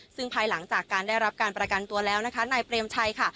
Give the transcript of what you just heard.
ซึ่งภายหลังจากการได้รับการประกันตัวแล้วนะคะนายเปรมชัยค่ะ